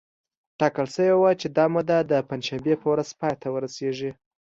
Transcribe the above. ټاکل شوې وه چې دا موده د پنجشنبې په ورځ پای ته ورسېږي